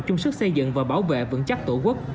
chung sức xây dựng và bảo vệ vững chắc tổ quốc